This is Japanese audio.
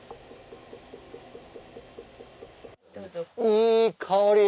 いい香り。